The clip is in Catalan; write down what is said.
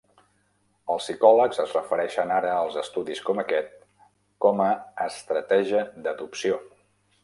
Els psicòlegs es refereixen ara als estudis com aquest com a "estratègia d'adopció".